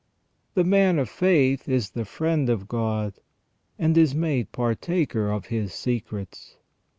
The man of faith is the friend of God, and is made partaker of His secrets.